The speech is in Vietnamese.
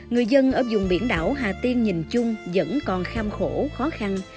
người dân ở dùng biển đảo hà tiên nhìn chung vẫn còn kham khổ khó khăn